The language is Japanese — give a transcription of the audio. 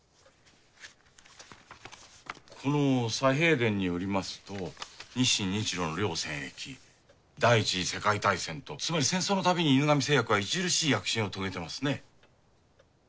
この「佐兵衛傳」によりますと日清日露の両戦役第一次世界大戦とつまり戦争のたびに犬神製薬は著しい躍進を遂げてますね。